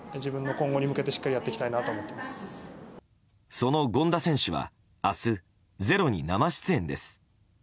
その権田選手が明日「ｚｅｒｏ」に生出演です。